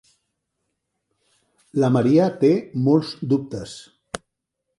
La Maria té molts dubtes.